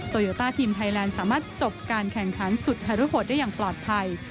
โยต้าทีมไทยแลนด์สามารถจบการแข่งขันสุดฮารุโหดได้อย่างปลอดภัย